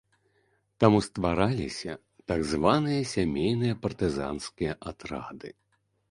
Таму ствараліся так званыя сямейныя партызанскія атрады.